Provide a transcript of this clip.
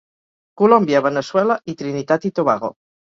Colòmbia, Veneçuela i Trinitat i Tobago.